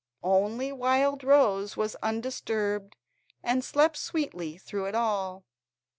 Only Wildrose was undisturbed, and slept sweetly through it all.